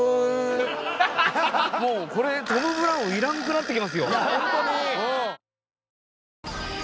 もうこれトム・ブラウンいらなくなってきますよ。